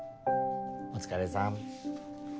お疲れさん。